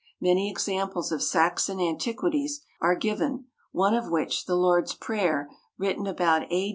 Many examples of Saxon antiquities are given, one of which, the Lord's prayer, written about A.